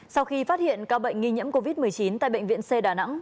sau khi phát hiện ca bệnh nghi nhiễm covid một mươi chín tại bệnh viện c đà nẵng